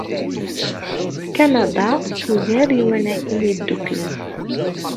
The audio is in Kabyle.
Kanada tugar Iwanaken Yeddukklen.